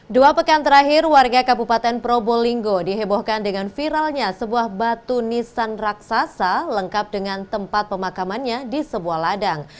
dua pekan terakhir warga kabupaten probolinggo dihebohkan dengan viralnya sebuah batu nisan raksasa lengkap dengan tempat pemakamannya di sebuah ladang